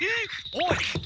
おい。